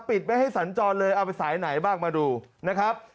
ไม่ให้สัญจรเลยเอาไปสายไหนบ้างมาดูนะครับ